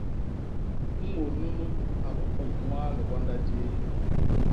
Mut nunu a bibus ñwaa liwanda jéé.